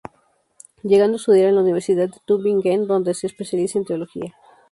Llegando a estudiar en la Universidad de Tübingen, donde se especializa en teología.